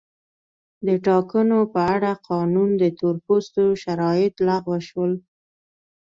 د ټاکنو په اړه قانون د تور پوستو شرایط لغوه شول.